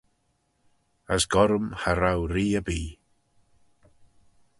As goll rhym cha row Ree erbee.